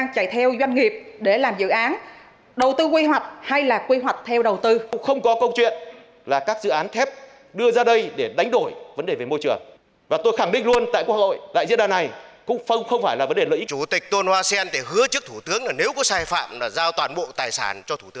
chủ tịch tôn hoa sen đã hứa trước thủ tướng là nếu có sai phạm là giao toàn bộ tài sản cho thủ tướng